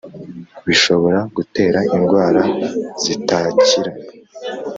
bishobora gutera indwara zitakira